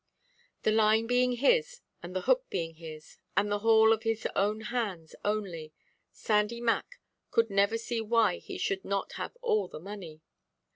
The line being his, and the hook being his, and the haul of his own hands only, Sandy Mac could never see why he should not have all the money.